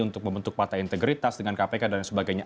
untuk membentuk partai integritas dengan kpk dan sebagainya